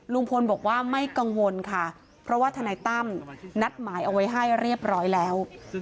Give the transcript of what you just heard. ลุงพลบอกว่าไม่กังวลค่ะเพราะว่าทนายตั้มนัดหมายเอาไว้ให้เรียบร้อยแล้ว